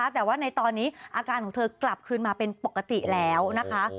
แต่ว่าในตอนนี้อาการของเธอกลับคืนมาเป็นปกติแล้วนะคะ